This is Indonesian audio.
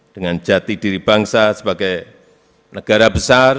dengan jati diri bangsa sebagai negara besar